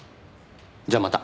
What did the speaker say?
じゃあまた。